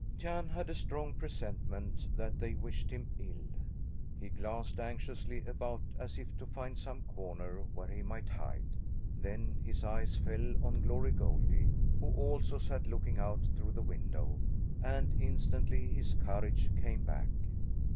Jan had a strong presentment that they wished him ill. He glanced anxiously about, as if to find some corner where he might hide. Then his eyes fell on Glory Goldie, who also sat looking out through the window, and instantly his courage came back.